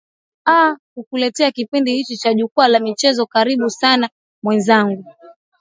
aa kukuletea kipindi hiki cha jukwaa la michezo karibu sana mwenzangu